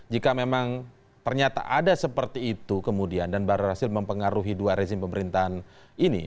jika memang ternyata ada seperti itu kemudian dan baru berhasil mempengaruhi dua rezim pemerintahan ini